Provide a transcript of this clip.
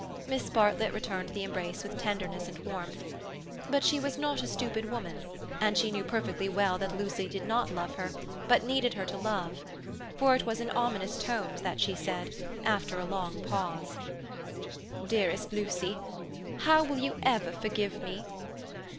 Miss Bartlett returned the embrace with tenderness and warmth. But she was not a stupid woman, and she knew perfectly well that Lucy did not love her, but needed her to love. For it was in ominous tones that she said, after a long pause: "Dearest Lucy, how will you ever forgive me?"